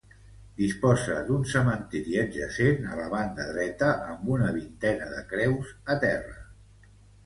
Disposa d'un cementiri adjacent, a la banda dreta, amb una vintena de creus a terra.